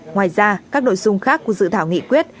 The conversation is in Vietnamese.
ngoài ra các nội dung khác của dự thảo nghị quyết